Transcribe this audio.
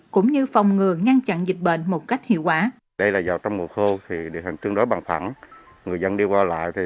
cũng như phòng ngừa ngăn chặn dịch bệnh một cách hiệu quả